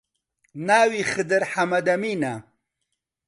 ناوی خدر حەمەدەمینە